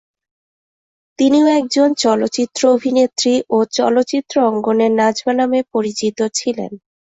তিনিও একজন চলচ্চিত্র অভিনেত্রী ও চলচ্চিত্র অঙ্গনে নাজমা নামে পরিচিত ছিলেন।